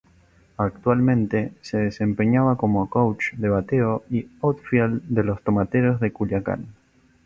Actualmente se desempeña como coach de bateo y outfield de los Tomateros de Culiacán.